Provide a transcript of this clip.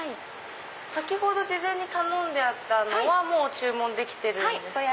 先ほど事前に頼んであったのはもう注文できてるんですか？